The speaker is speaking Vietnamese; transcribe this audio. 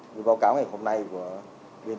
người báo cáo ngày hôm nay của bên